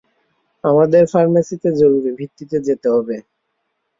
আমাদের ফার্মেসীতে জরুরী ভিত্তিতে যেতে হবে।